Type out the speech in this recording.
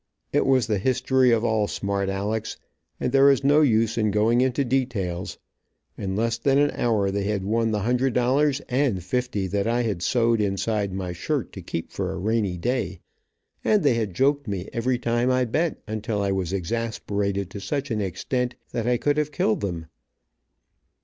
It was the history of all smart Aleck's, and there is no use of going into details. In less than an hour they had won the hundred dollars, and fifty that I had sewed inside my shirt to keep for a rainy day, and they had joked me every time I bet until I was exasperated to such an extent that I could have killed them.